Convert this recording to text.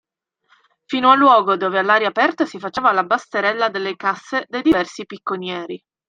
Fino al luogo dove all'aria aperta si faceva la basterella delle casse dei diversi picconieri.